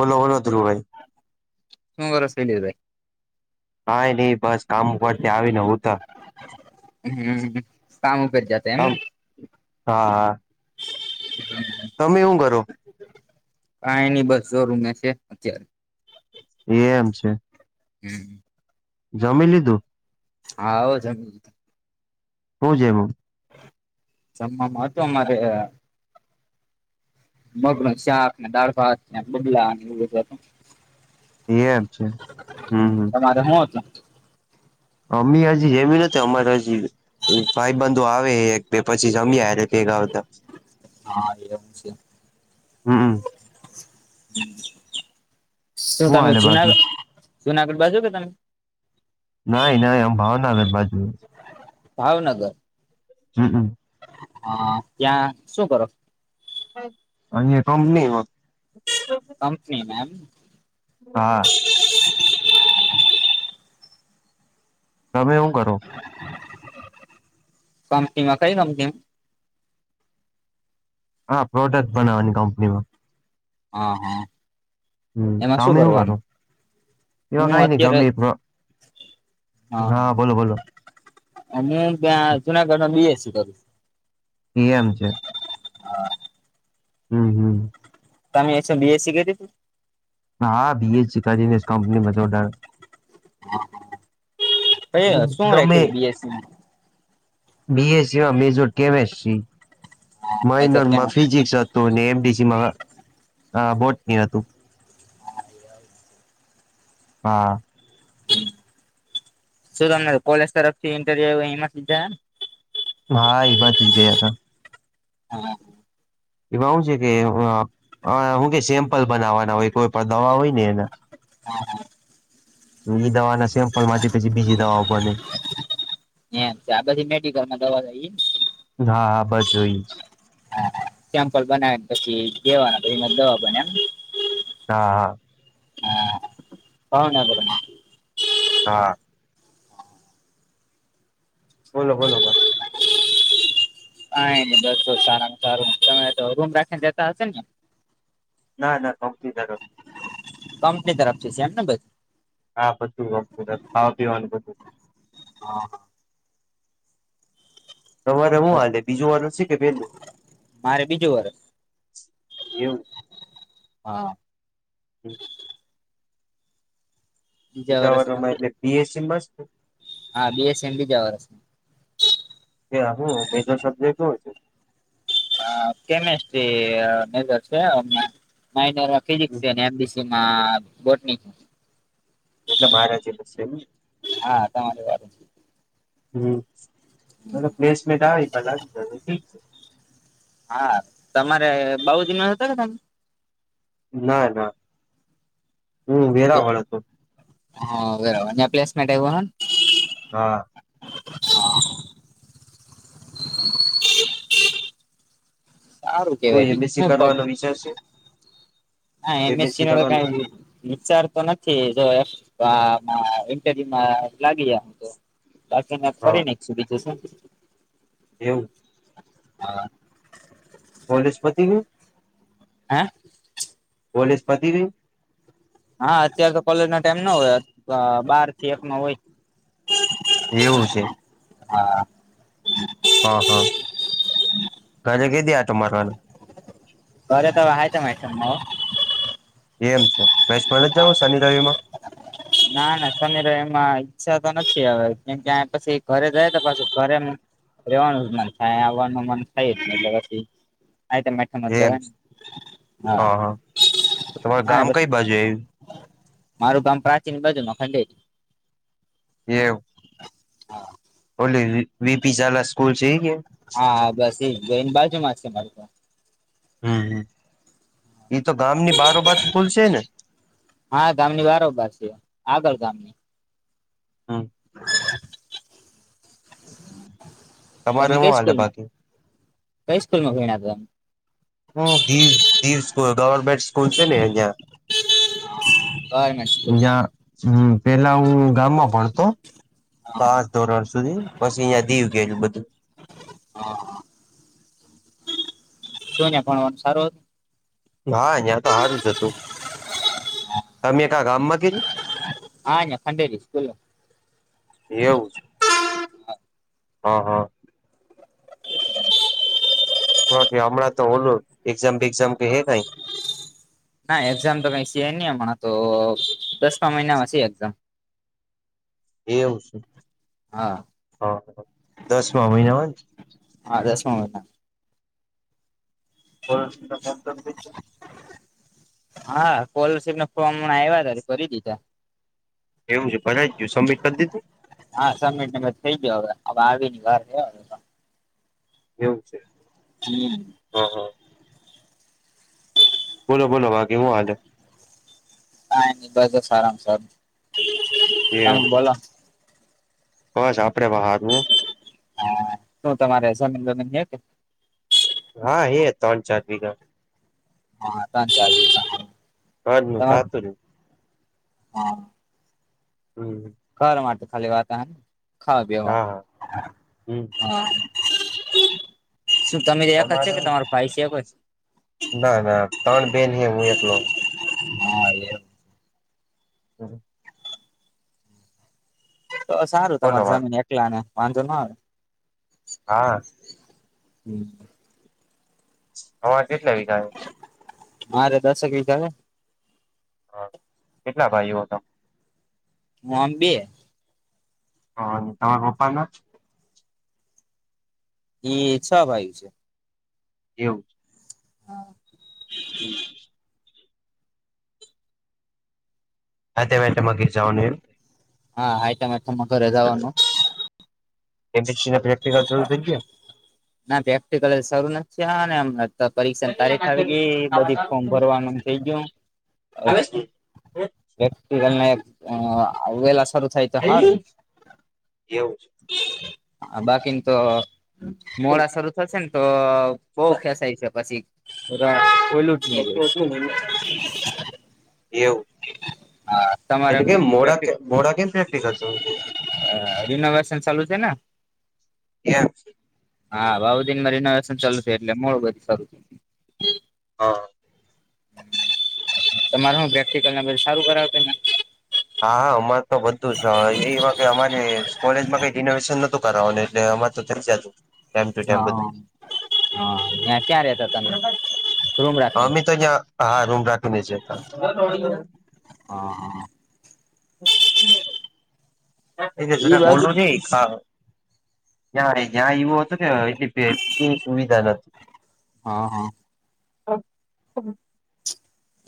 બોલો બોલો ધ્રુવભાઈ ત્રણ વરસ થી લઈ જાય કઈ નઈ બસ કામ ઉપરથી આવી ને હુતા હમ સામું કરી જાત તમ એમને હા હા હમ તમે હું કરો કાંઈ ની બસ જો રૂમે છે અત્યારે એ એમ છે હમ જમી લીધું હા આવ જમ હું જમ્યું, જમામાં હતું અમારે મગનો શાક ને દાળ ભાત બગલા એવું બધું હતું. એમ છે હમ [inaudible] તમારે હું હતું? અમી હજી જમ્યુ નથી અમારા હજી ભાઈબંધુ આવે એક પછી જમીએ હારે ભેગા આવતા હા એવું છે હમ શું હું તમે હાલે બાકી જુનાગઢ જુનાગઢ બાજુ કે તમે નઈ નહી અમ ભાવનાગર બાજુ ભાવનગર હમ હમ હા ત્યાં સુ કરો હ અને કંપની હ કંપની [inaudible] હા, તમે, હું કરો? કંપનીમાં કઈ કંપની મ હા, પ્રોડક્ટ બનાવાની કંપનીમાં હા હા હમ્મ એમાં શું તમે હું કરવાનું કરો. એવા હું કઈ નઈ અત્યારે ગમે એ હા, બોલો બોલો હુ ત્યાં જુનાગઢ માં બી. એસ. સી કરું. એમ છે. [inaudible] હા હમ્મ હમ્મ તમે સુ બી. એસ. સી કર્યું હતું. હા બી. એસ. સી કરી ને કંપનીમાં જોડાણો, [inaudible] સુ બી. એસ. સી માં બી. એસ. સી માં મેજર કેમેસ્ટ્રી માં મેજર માઇનર કેમ માં ફિઝિકસ હ તો ને એમડીસી માં બોટ નિતું હા શું તમને કોલેજ તરફથી ઇન્ટરવ્યુ ઈમાં થી જાયા ને હા, ઈ બાજથી જ ગયાતા. એમાં હું છે, કે હું કે સેમ્પલ બનાવવાના હોય કોઈ પણ દવા હોય ને એના. [inaudible] ઈ દવા ના સેમ્પલ માંથી પછી બીજી દવાઓ બને, એમ છે. આ બધી મેડિકલ માં દવા જાય ઈ ને, હા હા, બસ જો ઇ જ [inaudible] સેમ્પલ બનાવી પછી જેવાના પછી દવા બને એમ ને? હા હા હા [unintelligible] હા બોલો બોલો બા કાઈ ન બસ સારામ સારું. તમે તો રૂમ રાખીને રેતા હશે ને, ના ના કોમ્પની તરફ કંપની તરફ થી છે, એમને બધુ હા બધુ કંપની [unintelligible] ખાવા પીવાનું બધું હા તમારે હું હા હાલે બીજું વરહ છે કે પેલું? મારે બીજું વરસ એવું હા બીજા વરસમાં વરહમાં છે એટલે પીએસસીમાં [unintelligible] હા બીએસસી માં બીજા વરસે, એ હું મેજર સબ્જેક્ટ હું હતું? કેમેસ્ટ્રી અ મેજર છે અમ માઇનરમાં ફિઝિકસ એમ બી સી. માં બોટની. એટલે મારા જિમ જ શે એમ. હા તમારી વાત છે. હમ્મ એતો પ્લેસમેન્ટ આવે લાગી જાય તો ઠીક છે. હા તમારે બાઉ જિમાર હતા કે તમ ના ના હું તો વેરાવળ હતો. હા બરાબર ને પ્લેસમેન્ટ આવ્યુ [unintelligible] હા [inaudible] સારું તો કેવાય બીજું એબસી હું પગ કરવાનો વિચાર છે? હા એમ એસ સી એમએસસી નો તો કાઇ કરવાનું વિ વિચારતો નથી જો આ માં ઈન્ટરવ્યુ લાગીયા તો. બાકીને હા ફરિ મેક્શું બીજું શું. એવુ? હા. કોલેજ પતિ ગ્યું? હા? પોલીસ પતી ગયું? હા અત્યારે તો કોલેજનો ટાઈમ ના હોય બાર થી એક નો હોય. એવું છે. હા. હા હા, ગાજે કેદી આટો મારવાનો? ઘરે તો આહે તો [unintelligible] એમ છે મેચમાં નથી જવુ શનિ રવિમાં? ના ના સમીર એમાં ઈચ્છા તો નથી હવે કેમકે પછી ઘરે જાય તો પાછું ઘરે રેવાનું જ મન થાય આવવાનું મન થાય જ, એટલે પછી જ એમ જવાને, છે. હા તો તમારું ગામ હા. કઈ બાજુ મારું ગામ પ્રાચીન બાજુમાં ખંડેજ. એવુ? હા ઓલી વીપી જાલા સ્કૂલ છે ઈ હે હા હા બસ એ ગયને બાજુ મા છે, મારું ઘર હમ્મ હમ્મ ઈ તો ગામની બારો બાર સ્કૂલ છે ને હા, ગામની બારો બાર શે, આગળ ગામની હમ્મ તમારે તમે હું કઈ હાલે સ્કૂલમાં બાકી કઈ સ્કૂલમાં ભયણા તા હુ દીવ દીવ ગવર્મેન્ટ સ્કૂલ છે ને અહિયાં ગવર્મેન્ટ સ્કૂલમાં અયાં હમ્મ પેલા હું ગામમાં ભણતો હા પાંચ ધોરણ સુધી પછી અહંયા દીવ કયરૂ બધું હા શું નયા ભણવાનું સારું હતુ, હા, યાં તો હારું જ હતું તમે કા ગામમાં કરયુ હા યા ખંઢેરી સ્કૂલ એ એવું છે હ હ [unintelligible] કે હમણાં તો ઓલો એક્ઝામ બેગઝામ કે હે નઈ ના એક્ઝામ તો કઈ સે નહી હમણા તો દસમા મહિનામાં શે એક્ઝામ એવું શે હા હ હ દસમાં મહિનામાં જ હા, દસમાં મહિના પણ [unintelligible] હા, સ્કોલરશીપ ના ફોર્મ હમણાં આવ્યાતા તો ભરી દીધા, એવું છે, ભરાઈ ગયું સબમિટ કરી દીધું હા, સબમિટટ થઈ ગયો હવે હવે આવીની વાટ સે હવે, એવું છે. હમ્મ. હા હા. બોલો બોલો વા કેવુ હાલે? કાંઈ નહિ ભાઈ જો સારમાં સારું છે, એ તમે બોલો? બસ આપડે બહારવું સુ, તમારે [unintelligible] હા, એ ત્રણ ચાર વિઘા- હા, ત્રણ ચાલ હજ નું થાતું ન. હા, હમ્મ ઘર માટે ખાલી વાતાર ખાવા બેવા હા ની- હા હમ શું તમે એક જ છે, તમારે કે તમારો ભાઈ છે. ના ના ત્રણબેન હે હું એકલો. હા, એ. [unintelligible] તો સારું બોલો તમારી વાત જમીન એકલા ને વાંધો ના આવે હા હમ્મ [unintelligible] હવારે કેટલા વીઘા હે? મારે દશક વીઘા હે, હ, કેટલા ભાઈઓ હતા? ઓમ બે. હ અને તમારા પપ્પા ના જ? એ છ ભાઈ છે. એવું. હમ [unintelligible] હા મેલે માગર જઉન એ [unintelligible] હા હ તમામે તમારે ઘરે જવાનું. પ્રેક્ટિકલ થાય ગયું? ના પેફ્ટ [unintelligible] કલર સારું [inaudible] નથીને એમ નથી. પરીક્ષા તારીખ ગયા આવી ગઈ બધી ફોર્મ ભરવાનું થઇ ગયું વલ ને વેલા શરૂુ થાય તો હારુ એવું છે. હ બાકીને તો મોડા શરૂ થશે ને તો? બઉ ખેસાય છે પછી ખલું? એટલું એટલું ધન એવું. હા તમારે એટલે હું કેમ મોડા મોડા કેમ પ્રેક્ટ કરલ છો? હ રિનોવેશન ચાલુ છે ને? એમ - હા ભવધન મામાં [unintelligible] ઇનોવેશન ચાલુ છે. એટલે મો બધી શરૂ થું. હા તમારે હું પ્રેક્ટિકલ ના બ સારું કરાવતા હશે ને. હા હા અમારે તો બધું જ એ વા કે અમારે કોલેજમાં કઈ રિનોવેશન નતું કરાવવાનું એટલે અરે- થ જત ટાઈમ ટુ ટાઈમ હા બધું. હા ત્યાં ક્યાં રેતા હતા તમે રૂમ હ રાખીને અમે તો જ્યાં હા રૂમ રાખીને છે ત હા હા- એ ઈ જરા બાજુ બોલું છે હા- ત્યાં જ્યાં એવું હતું કે એટલે સુવિધા નથી. હા હા [unintelligible] હ હા [unintelligible]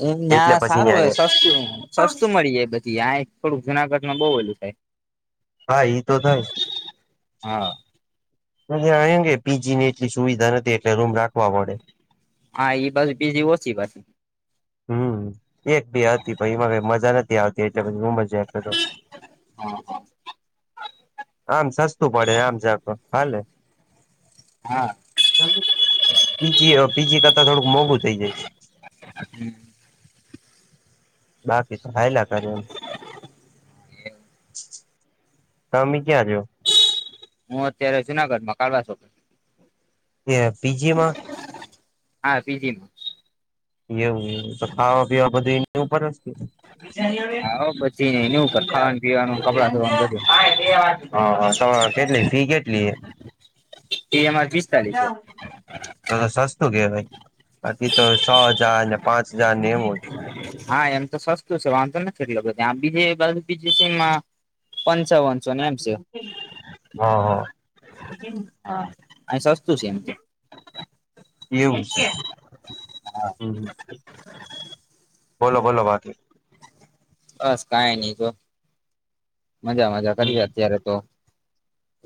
એમ ત્યાં સારું હોય સસ્તું સસ્તું મળી જાય- ત્યાં એક થોડુંક જુનાગઢ ન બઉુ ઓેલું થાય. હા ઈ તો થાય. હા. હ આ કે પીજી ની એટલી સુવિધા નથી એટલે રૂમ રાખવા પડે. હા એઈ બસ બીજીી ઓછી બલ. હમ એક બે હતી પ એમાં મજા નથી આવતી એટલે પછી હું મજા કા તો. હા આમ સસ્તું પડે આમ જ તો હાલે. હા. પીજી પીજી કરતા થોડુંક મોંઘુ થઇ જાય છે. હ [unintelligible] બાકી હાયલા કરે એમ. તમે ક્યાં છો. હું અત્યારે જુનાગઢ માં કાવા છો એ પીજીમાં. હા પીજીમાં. એવું એવું તો ખાવા પીવા બધું એ ઉપર. એ એની ઉપર ખાવા પીવાનું કપડાં ધોવાનું બધું તો કેટલી ફી કેટલી હૈ. એ એમ આર પિસ્તાલીસો. તો તો સસ્તું કેવાય બાકી તો સ હજાર ને પાંચ હજાર ને એવું. જ. હા એમ તો સસ્તું છે વાંધ તો નથી કેટલ ત બીજ બા બીજમાં. પંચાવન. હા હા. હા અને સસ્તું છે એમ તો. એવું છે હ બોલો બોલો બાકી. બસ કઈ નઈ જો મજા મજા હમ કરીએ અત્યારે તો.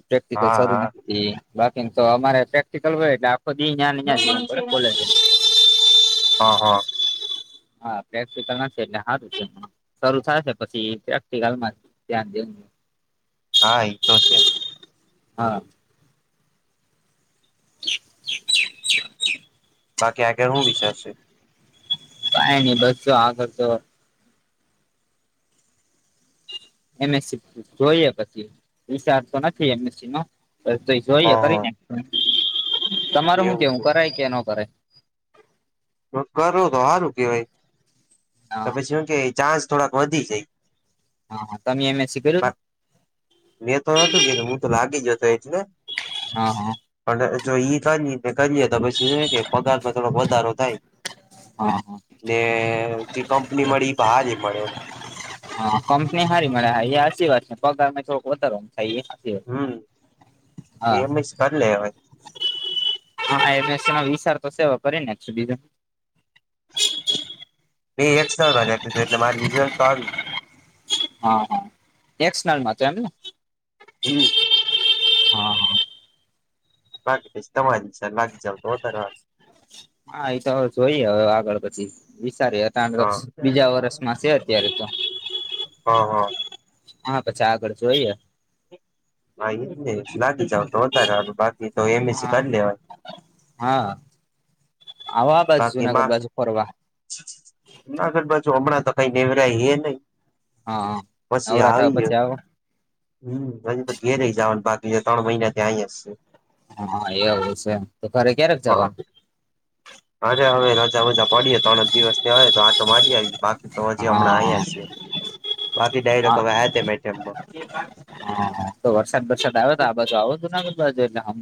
પ્રેક્ટિકલ હા શરૂ હા નથી બાકી તો અમારે પ્રેક્ટિકલ હોય એટલે. આખો અહી નહં છે હું પે કોલેજ માં. હા હા. હા પ્રેક્ટિકલમાં છે એટલે સારું છે શરૂ થશે પછી પ્રેક્ટિકલમાં. ધ્યાન દ. હા એ તો છે. હા. બાકી આગેર હું વિચારશું. કઈ નઈ બસશો આ કરશો. એમએસસી જોઈએ પછી વિચાર તો નથી એમએસસી નો. જોઈએ હા હા કરીને તમાર શું એવું કેવું કરાય કે ન કરાય. હ કરો તો સારું કેવાય તો હા પછી શ કે ચાન્સ થોડાક વધી જાય. હા હા તમે એમએસસી કર. મેં તો હતું ને હું તો લાગી જતો એટલે. હા હા. પણ જો ઈ કરી ને કરીે તો પછી કે પગારમાં થોડો વધારો થાય. હા હા. ને જે કંપની મળી એ બાર મળેમ. હા કંપની સારી મળ્યા હ એ સાચી વાત છે પગારં થોડક વધારો. ક હમ [unintelligible] હા. એમ જ કરી લેવાય હા એડશ વિચાર તો સેવ કરીને બીજો. મેં એકસલ ભ નાખ્યું હતું એટલે મારી રિઝલ્ટ તો આવી. હા હા એક્સનલમાં તો એમ ને. હમ. હા બાકી તમારી બાકી જાવ તો વધારે. હા એ તો હવે જોઈએ હવે આગળ પછી વિચારી. હા બીજા વર્ષમાં છે અત્યારે તો. હા હા. હા પછી આગળ છું જોઈએ. હા એમ લાગી જાવ તો હતાારે બાકી તો એમ એસ સી હા કરી લેવા. હા આવ આ બાજુ બાકી જુનાગઢ માં બાજુ ફરવા. જુનાગઢ બાજુ હમણાં તો કઈ નેવરાય એ નહી. હા પછી નવરા થયા આવીએ. પછી આવો હમ હજી તો ઘેર રઈ જવાને બાકી છે ત્રણ મહિના ત્યાં આવી જશે. હા એવું છે તો ઘરે ક્યારેક હા જવાનું? અરે હવે રજા મજા પડીએ ત્રણ જ દિવસ હવે તો આટો મારી આવી બાકી. તો હજી હા હમણાં આયા છે, બાકી ડ ટકા વ મેમમાં. હાા તો વરસાદ વરસાદ આવે્યો તો આ બાજુ આવ તોું નાગુ બાજુ એટલે સા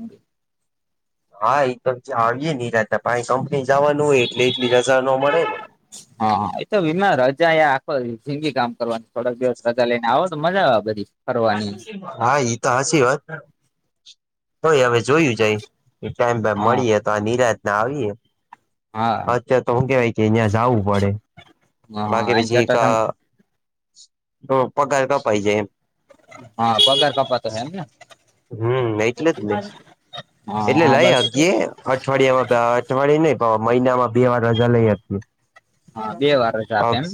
હા એ તો આવીયે નેતા પા કંપની જવાનું હોય એટલે એટલી રજા ન મળે ને. હા હા એતો વીમા રજા એ આખો જિંદગી કામ કરવા થોડાક દિવસ રજા લઈને આવો. તો મજા આવે બધી. ફરવાની હા ઈ તો હચી વાત. તોય હવે જોયું જાય, કે ટાઈમ ભ હા મળીએ તો આ નિરાતના આવીએ. હા અત્યારે તો હું કેવાય કે અહં જવું પડે, બાકી હા પછી એક જટાશંકર તો પગાર કપાય જાય એમ. હા પગાર કપા તો હ એમને. હમ એટલે જ, હા એટલે હા લઈ બસ અગે. અઠવાડિયામાં અઠવાડિયા ન મહિનામાં બે વાર રજા લઈ આપ. હા બે વાર રજા આપે અ એમને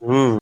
હમ.